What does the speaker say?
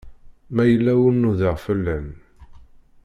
Ma yella ur nudeɣ fell-am.